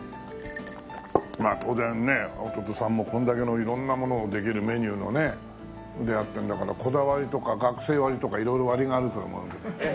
当然ね弟さんもこんだけの色んなものをできるメニューのねやってるんだからこだわりとか学生割とか色々割があると思うけど。